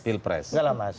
enggak lah mas